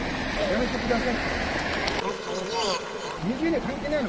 やめてください。